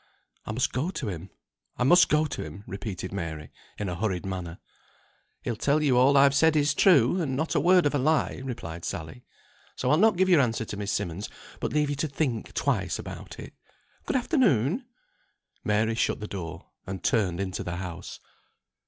"I must go to him, I must go to him," repeated Mary, in a hurried manner. "He'll tell you all I've said is true, and not a word of lie," replied Sally. "So I'll not give your answer to Miss Simmonds, but leave you to think twice about it. Good afternoon!" Mary shut the door, and turned into the house.